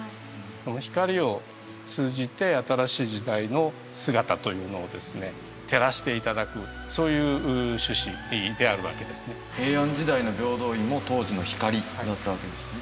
その光を通じて新しい時代の姿というのをですね照らしていただくそういう趣旨であるわけですね平安時代の平等院も当時の光だったわけですね